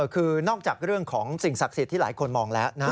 คือนอกจากเรื่องของสิ่งศักดิ์สิทธิ์ที่หลายคนมองแล้วนะ